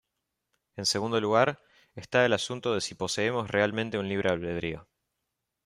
En segundo lugar, esta el asunto de si poseemos realmente un libre albedrío.